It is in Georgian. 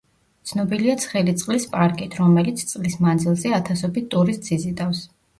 ცნობილია ცხელი წყლის პარკით, რომელიც წლის მანძილზე ათასობით ტურისტს იზიდავს.